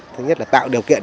thứ nhất là tạo điều kiện